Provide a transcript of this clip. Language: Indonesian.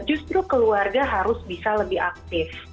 justru keluarga harus bisa lebih aktif